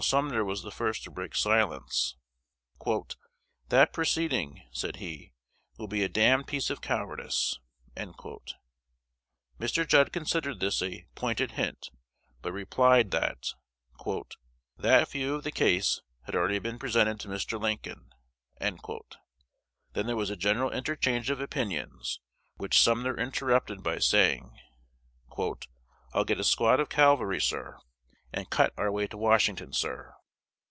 Sumner was the first to break silence. "That proceeding," said he, "will be a damned piece of cowardice." Mr. Judd considered this a "pointed hit," but replied that "that view of the case had already been presented to Mr. Lincoln." Then there was a general interchange of opinions, which Sumner interrupted by saying, "I'll get a squad of cavalry, sir, and cut our way to Washington, sir!"